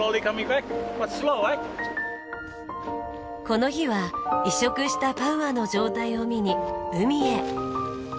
この日は移植したパウアの状態を見に海へ。